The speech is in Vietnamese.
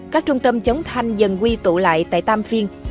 các trung tâm chống thanh dần quy tụ lại tại tam phiên